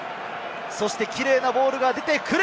そしてキレイなボールが出てくる！